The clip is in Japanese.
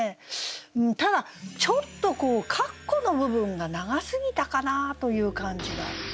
ただちょっとこう括弧の部分が長すぎたかなという感じが。